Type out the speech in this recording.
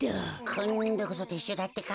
こんどこそてっしゅうだってか。